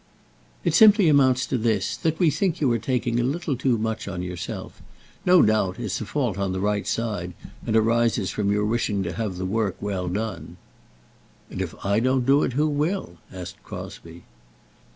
"It simply amounts to this, that we think you are taking a little too much on yourself. No doubt, it's a fault on the right side, and arises from your wishing to have the work well done." "And if I don't do it, who will?" asked Crosbie.